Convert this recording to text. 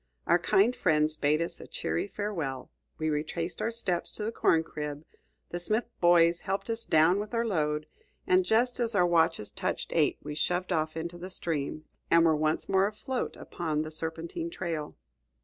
Our kind friends bade us a cheery farewell, we retraced our steps to the corn crib, the Smith boys helped us down with our load, and just as our watches touched eight we shoved off into the stream, and were once more afloat upon the serpentine trail.